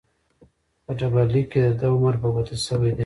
په ډبرلیک کې دده عمر په ګوته شوی دی.